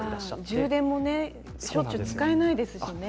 充電もしょっちゅう使えないですしね。